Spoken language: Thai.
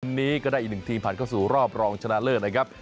วันนี้ก็ได้อีกหนึ่งทีมผ่านเข้าสู่รอบรองชนะเลิศนะครับ